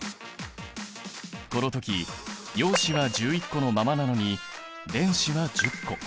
この時陽子は１１個のままなのに電子は１０個。